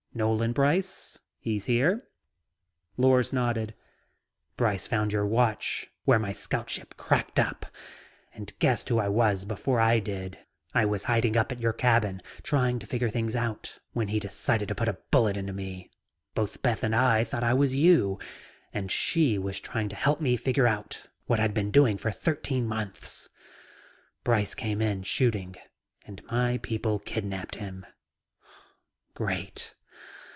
Nolan Brice? He's here?" Lors nodded. "Brice found your watch where my scout ship cracked up and guessed who I was before I did. I was hiding up at your cabin, trying to figure things out when he decided to put a bullet into me. Both Beth and I thought I was you and she was trying to help me figure out what I'd been doing for thirteen months. Brice came in shooting and my people kidnapped him." "Great."